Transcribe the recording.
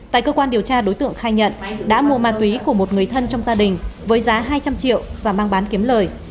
tại cơ quan điều tra đối tượng khai nhận đã mua ma túy của một người thân trong gia đình với giá hai trăm linh triệu và mang bán kiếm lời